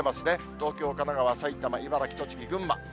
東京、神奈川、埼玉、茨城、栃木、群馬。